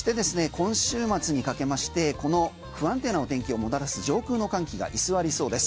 今週末にかけましてこの不安定なお天気をもたらす上空の寒気が居座りそうです。